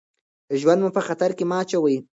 ژوند مو په خطر کې مه اچوئ.